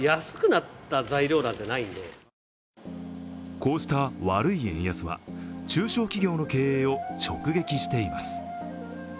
こうした悪い円安は中小企業の経営を直撃しています。